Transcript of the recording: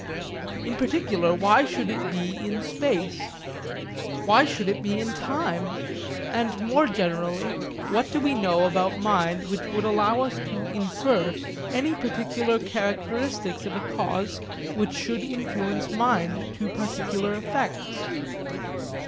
In particular, why should it be in space? Why should it be in time? And more generally, What do we know about mind which would allow us to infer any particular characteristics of a cause which should influence mind to particular effects?